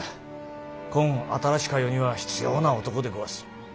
こん新しか世には必要な男でごわす。